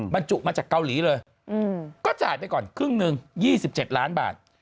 บรรจุมาจากเกาหลีเลยก็จ่ายไปก่อนครึ่งหนึ่ง๒๗ล้านบาท